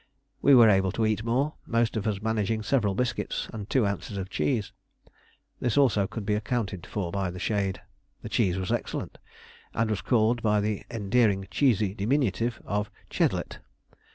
We were able to eat more, most of us managing several biscuits and two ounces of cheese. This also could be accounted for by the shade. The cheese was excellent, and was called by the endearing cheesy diminutive of "Chedlet."